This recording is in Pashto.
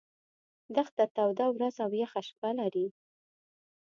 دښته توده ورځ او یخه شپه لري.